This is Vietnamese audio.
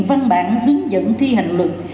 văn bản hướng dẫn thi hành luật